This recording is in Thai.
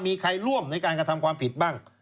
มีใครร่วมในการกระทำความผิดบ้าง